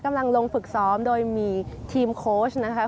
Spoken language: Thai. กำลังลงฝึกซ้อมโดยมีทีมโค้ชนะคะ